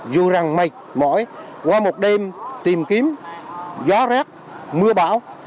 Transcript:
dù rằng mệt mỏi qua một đêm tìm kiếm gió rét mưa bão